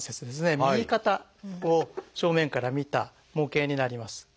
右肩を正面から見た模型になります。